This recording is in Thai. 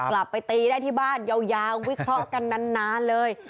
กลับไปตีได้ที่บ้านยาววิเคราะห์กันนานเลย